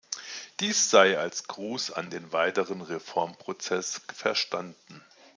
Dies sei als Gruß an den weiteren Reformprozess verstanden.